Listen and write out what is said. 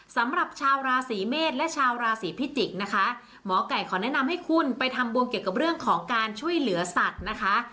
สำหรับชาวราศีเมษและชาวราศีพิจิกษ์นะคะหมอไก่ขอแนะนำให้คุณไปทำบุญเกี่ยวกับเรื่องของการช่วยเหลือสัตว์นะคะ